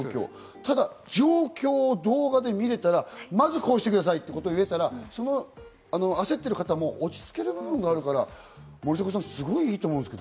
ただ状況を動画で見られたら、まずこうしてくださいと言えたら、焦ってる方も落ち着ける部分があるから森迫さん、すごくいいと思う。